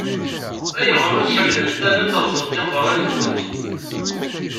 Ayɣer ur tḥemmlemt ara ad teṛṛẓemt iqeṛṛa-nkent?